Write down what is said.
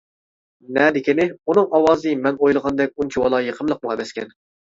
نەدىكىنى، ئۇنىڭ ئاۋازى مەن ئويلىغاندەك ئۇنچىۋالا يېقىملىقمۇ ئەمەسكەن.